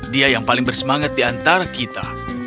dia yang paling bersemangat di antara kita